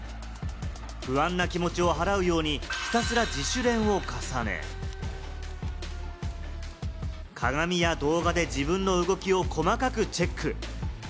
不安な気持ちを払うようにひたすら自主練を重ね、鏡や動画で自分の動きを細かくチェック。